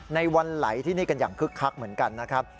วันไหลที่นี่กันอย่างคึกคักเหมือนกันนะครับ